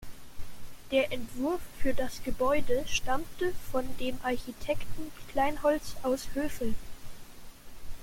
Der Entwurf für das Gebäude stammte von dem Architekten Kleinholz aus Hövel.